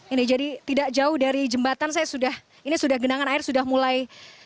ini jadi tidak jauh dari jembatan saya sudah ini sudah genangan air sudah mulai